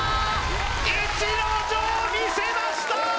逸ノ城見せました